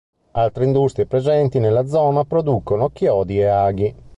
Altre industrie presenti nella zona, producono chiodi e aghi.